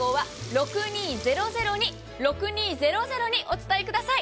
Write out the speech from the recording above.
６２００２、お伝えください。